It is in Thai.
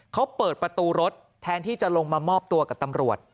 เขาเปิดประตูรถแทนที่จะลงมามอบตัวกับตำรวจ